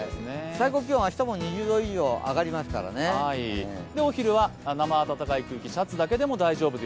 最高気温明日も２０度以上上がりますので、お昼は生暖かい空気、シャツだけでも大丈夫と。